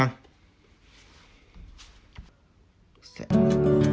cảm ơn các bác sĩ đã theo dõi và hẹn gặp lại